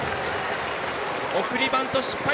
送りバント、失敗。